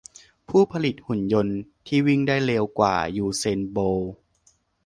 ผู้ผลิตหุ่นยนต์ที่วิ่งได้เร็วกว่า ยูเซน โบลต์